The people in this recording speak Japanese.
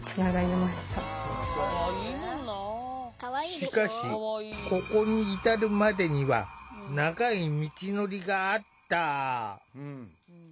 しかしここに至るまでには長い道のりがあった。